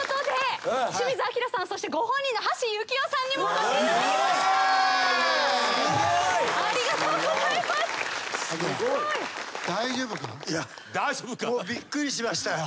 もうびっくりしましたよ。